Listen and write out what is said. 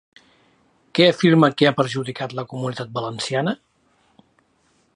Què afirma que ha perjudicat la Comunitat Valenciana?